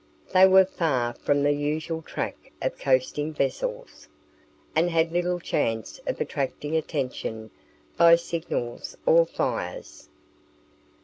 They were far from the usual track of coasting vessels, and had little chance of attracting attention by signals or fires.